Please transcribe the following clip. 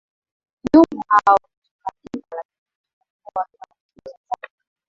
nyumbu hao hutunga mimba lakini hujifungua wakiwa nchini Tanzania